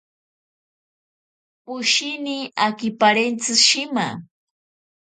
Poshini akiparentsi shima.